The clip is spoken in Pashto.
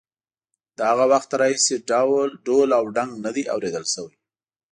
له هغه وخته راهیسې ډول او ډنګ نه دی اورېدل شوی.